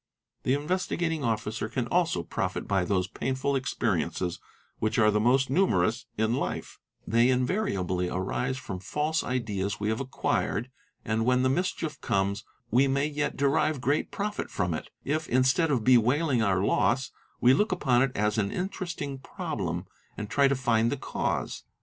The Investigating Officer can also profit by those painful experiences, which are the most numerous in life. They invariably arise from false "ass AEA EEF SRA Al a te sy | sbdss >see pele adien :~ 3 oes ideas we have acquired and, when the mischief comes, we may yet derive great profit from it, if, instead of bewailing our loss, we look upon it as an "interesting problem" and try to find the cause.